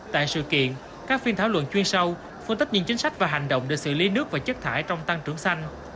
tại sự kiện các phiên thảo luận chuyên sâu phân tích những chính sách và hành động để xử lý nước và chất thải trong tăng trưởng xanh